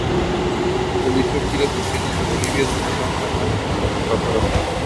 Realizando giras exitosas en Bolivia en un mano a mano con Ráfaga.